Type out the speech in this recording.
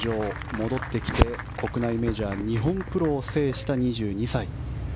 戻ってきて国内メジャー日本プロを制した２２歳。